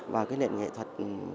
và cái nền nghệ thuật